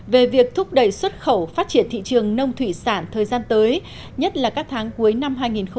về việc thúc đẩy xuất khẩu phát triển thị trường nông thủy sản thời gian tới nhất là các tháng cuối năm hai nghìn một mươi chín